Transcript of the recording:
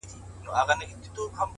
د زړه رڼا مخ روښانوي